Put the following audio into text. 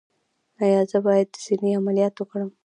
ایا زه باید د سینې عملیات وکړم؟